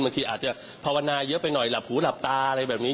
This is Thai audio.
บางทีอาจจะภาวนาเยอะไปหน่อยหลับหูหลับตาอะไรแบบนี้